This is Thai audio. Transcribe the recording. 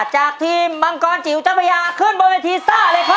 จากทีมมังกรจิ๋วเจ้าพระยาขึ้นบนเวทีซ่าเลยครับ